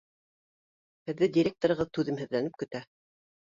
Һеҙҙе директорығыҙ түҙемһеҙләнеп көтә.